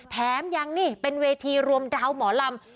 แถมยังนี่เป็นเวทีรวมดาวหมอลำ